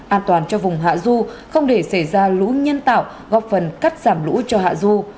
an toàn cho vùng hạ du không để xảy ra lũ nhân tạo góp phần cắt giảm lũ cho hạ du